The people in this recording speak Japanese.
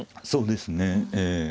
そうですねええ。